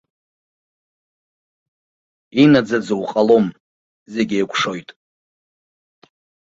Инаӡаӡоу ҟалом зегь еикәшоит.